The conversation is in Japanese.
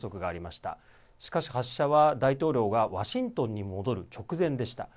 しかし、発射は大統領がワシントンに戻る直前でした。